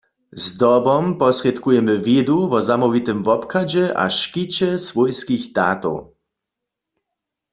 Zdobom posrědkujemy wědu wo zamołwitym wobchadźe a škiće swójskich datow.